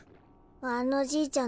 あのじいちゃん